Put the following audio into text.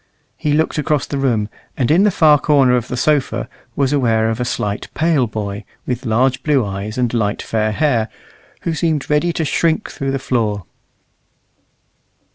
He looked across the room, and in the far corner of the sofa was aware of a slight, pale boy, with large blue eyes and light fair hair, who seemed ready to shrink through the floor.